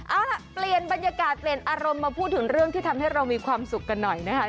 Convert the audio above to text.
เอาล่ะเปลี่ยนบรรยากาศเปลี่ยนอารมณ์มาพูดถึงเรื่องที่ทำให้เรามีความสุขกันหน่อยนะคะ